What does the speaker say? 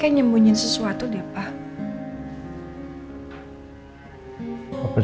waktunya saya di sa haba